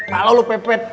kalau lo pepet